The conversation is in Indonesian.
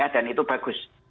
dan itu bagus